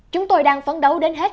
chúng tôi đang phấn đấu đến hết